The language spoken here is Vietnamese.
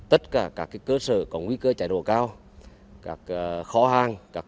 tất cả các cơ sở có nguy cơ cháy nổ cao các kho hàng